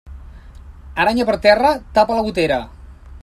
Aranya per terra, tapa la gotera.